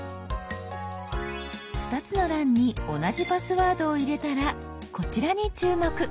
２つの欄に同じパスワードを入れたらこちらに注目！